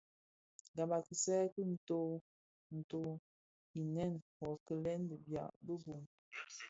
Gab i kisaï ki nton nto inèn yo kilèn di biag bi bum.